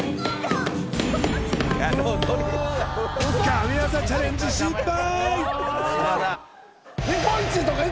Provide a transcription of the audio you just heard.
神業チャレンジ失敗！